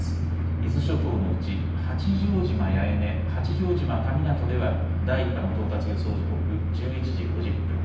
伊豆諸島のうち八丈島八重根、八丈島神湊では第１波の到達予想時刻１１時５０分。